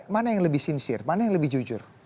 mana yang lebih sincir mana yang lebih jujur